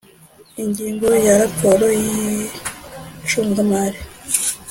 Ingingo ya Raporo y icungamari